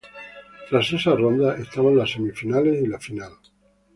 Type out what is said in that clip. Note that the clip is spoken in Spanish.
Tras esa ronda estaban las semifinales y la final.